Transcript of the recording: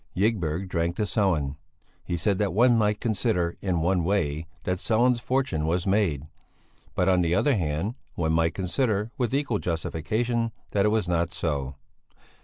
Ygberg drank to Sellén; he said that one might consider, in one way, that Sellén's fortune was made; but, on the other hand, one might consider, with equal justification, that it was not so.